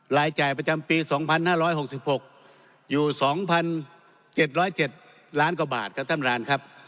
รายจ่ายประจำปีสองพันห้าร้อยหกสิบหกอยู่สองพันเจ็ดร้อยเจ็ดล้านกว่าบาทกับท่านร้านครับ